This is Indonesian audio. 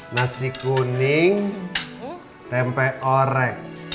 nasi kuning tempe orek